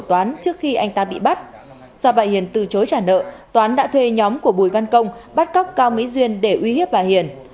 do anh ta bị bắt do bà hiền từ chối trả nợ toán đã thuê nhóm của bùi văn công bắt cóc cao mỹ duyên để uy hiếp bà hiền